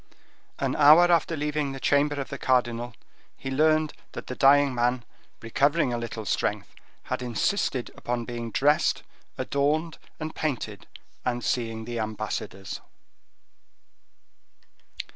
An hour after leaving the chamber of the cardinal, he learned that the dying man, recovering a little strength, had insisted upon being dressed, adorned and painted, and seeing the ambassadors.